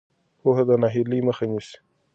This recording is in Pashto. پوهه د ناهیلۍ مخه نیسي.